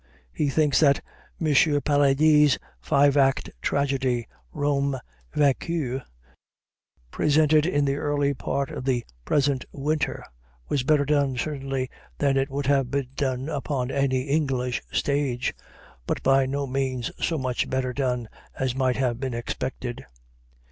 He thinks that M. Parodi's five act tragedy, "Rome Vaincue," presented in the early part of the present winter, was better done certainly than it would have been done upon any English stage, but by no means so much better done as might have been expected.